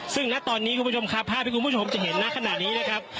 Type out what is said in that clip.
ซึ่งณตอนนี้คุณผู้ชมครับภาพที่คุณผู้ชมจะเห็นณขณะนี้นะครับ